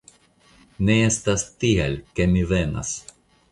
Ne estas tial, ke mi venas.